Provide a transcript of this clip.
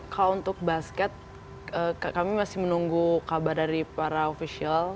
kalau untuk basket kami masih menunggu kabar dari para ofisial